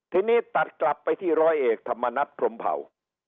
ทีนี้ตัดกลับไปที่ร้อยเอกธรรมนัฐพรมเผา